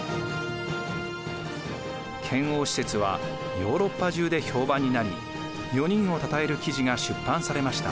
遣欧使節はヨーロッパ中で評判になり４人をたたえる記事が出版されました。